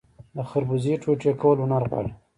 د خربوزې ټوټې کول هنر غواړي.